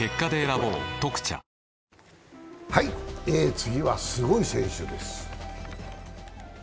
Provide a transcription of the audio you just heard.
次はすごい選手です。